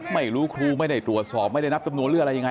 ไม่รู้ครูไม่ได้ตรวจสอบไม่ได้นับจำนวนหรืออะไรยังไง